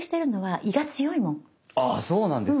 あそうなんですか。